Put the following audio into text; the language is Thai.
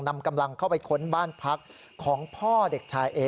นำกำลังเข้าไปค้นบ้านพักของพ่อเด็กชายเอ